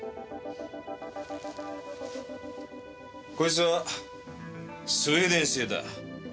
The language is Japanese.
こいつはスウェーデン製だ。